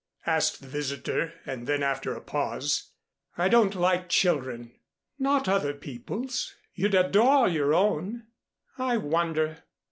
asked the visitor; and then after a pause, "I don't like children." "Not other people's. You'd adore your own." "I wonder."